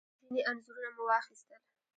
ځینې انځورونه مو واخیستل.